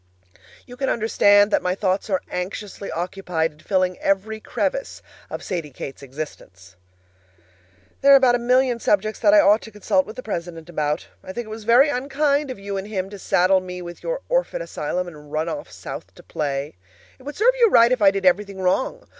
You can understand that my thoughts are anxiously occupied in filling every crevice of Sadie Kate's existence. There are a million subjects that I ought to consult with the president about. I think it was very unkind of you and him to saddle me with your orphan asylum and run off South to play. It would serve you right if I did everything wrong.